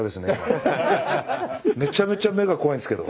めちゃめちゃ目が怖いんですけど。